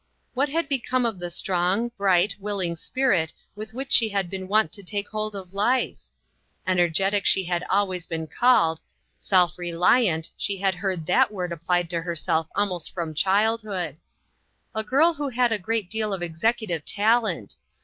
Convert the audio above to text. What had become of the strong, bright, willing spirit with which she had been wont to take hold of life ? Energetic she had always been called ;" self reliant," she had heard that word applied to herself almost from childhood. "A girl who had a great deal of executive talent."